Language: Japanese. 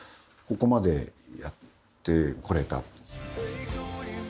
ここまでやってこれた。